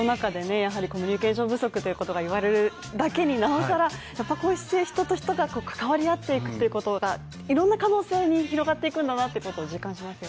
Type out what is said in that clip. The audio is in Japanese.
やはりコミュニケーション不足ということが言われるだけになおさらやっぱ人と人が関わり合っていくということが、いろんな可能性に広がっていくんだなってことを実感しますよ